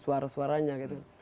menyuarakan suara suaranya gitu